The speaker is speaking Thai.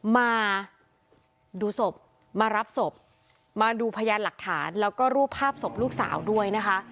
มาดูศพมารับศพมาดูพยานหลักฐานแล้วก็รูปภาพศพลูกสาวด้วยนะคะ